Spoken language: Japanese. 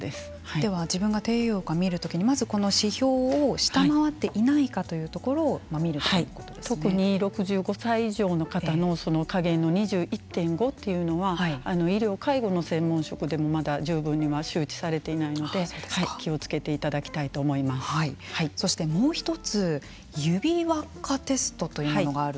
では、自分が低栄養かどうかを見る時にまずこの指標を下回っていないかというところを特に６５歳以上の方の下限の２１．５というのは医療、介護の専門職でもまだ十分には周知されていないので気をつけていただきたいとそしてもう一つ指輪っかテストというものがある。